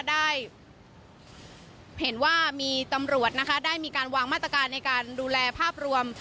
ได้เห็นว่ามีตำรวจนะคะได้มีการวางมาตรการในการดูแลภาพรวม